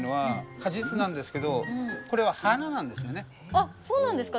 あっそうなんですか？